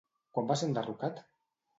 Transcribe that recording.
Quan va ser enderrocat?